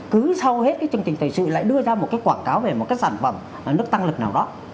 cứ sau hết cái chương trình thời sự lại đưa ra một cái quảng cáo về một cái sản phẩm nước tăng lực nào đó